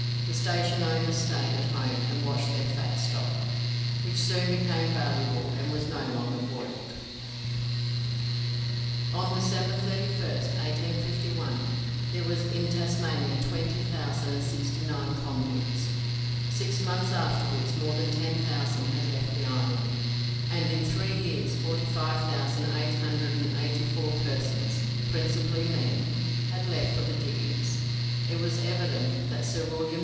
The station owners stayed at home and watched their fat stock, which soon became valuable, and was no longer boiled. [Footnote] *Mrs. Buntine; died 1896. On December 31st, 1851, there were in Tasmania twenty thousand and sixty nine convicts. Six months afterwards more than ten thousand had left the island, and in three years forty five thousand eight hundred and eighty four persons, principally men, had left for the diggings. It was evident that Sir Wm.